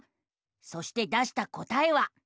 そして出した答えは。